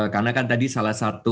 karena kan tadi salah satu